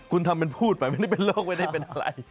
คุณทำเป็นพูดไปไม่ได้เป็นโรคไม่ได้เป็นอะไร